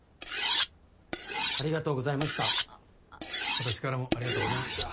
私からもありがとうございました！